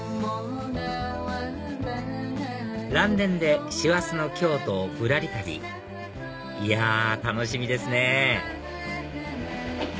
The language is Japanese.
嵐電で師走の京都をぶらり旅いや楽しみですね